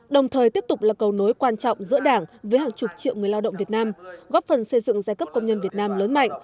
đồng thời tiếp tục là cầu nối quan trọng giữa đảng với hàng chục triệu người lao động việt nam góp phần xây dựng giai cấp công nhân việt nam lớn mạnh